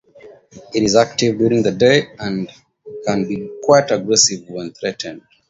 It is active during the day and can be quite aggressive when threatened.